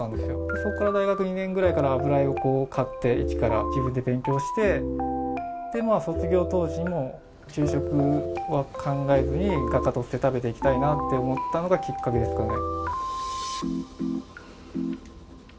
そこから、大学２年ぐらいから油絵を買って、一から自分で勉強して、卒業当時も就職は考えずに画家として食べていきたいなと思ったのがきっかけですかね。